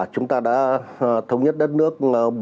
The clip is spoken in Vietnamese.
chúng ta đã thống nhất đất nước